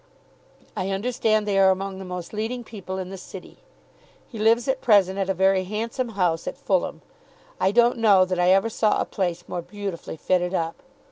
I understand they are among the most leading people in the City. He lives at present at a very handsome house at Fulham. I don't know that I ever saw a place more beautifully fitted up.